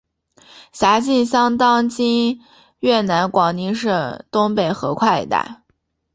辖境相当今越南广宁省东北河桧一带。